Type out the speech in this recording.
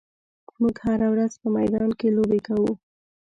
موږ هره ورځ په میدان کې لوبې کوو.